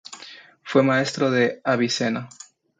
Fue maestro de Avicena.